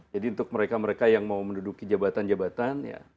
jadi untuk mereka mereka yang mau menduduki jabatan jabatan